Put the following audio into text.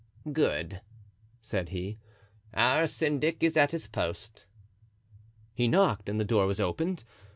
"Good," said he, "our syndic is at his post." He knocked and the door was opened.